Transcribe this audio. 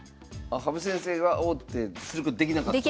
羽生先生が王手することできなかったんですか。